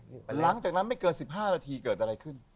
หลังจากนั้นไม่เกิน๑๕นาทีเกิดอะไรขึ้น